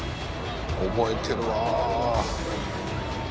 覚えてるわ！